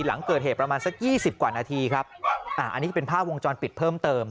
หลังเกิดเหตุประมาณสักยี่สิบกว่านาทีครับอ่าอันนี้จะเป็นภาพวงจรปิดเพิ่มเติม